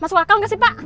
masuk akal gak sih pak